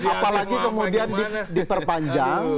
apalagi kemudian diperpanjang